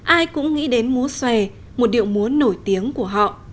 ai cũng nghĩ đến múa xòe một điệu múa nổi tiếng của họ